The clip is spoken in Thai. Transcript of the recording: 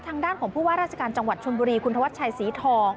ทางด้านของผู้ว่าราชการจังหวัดชนบุรีคุณธวัชชัยศรีทอง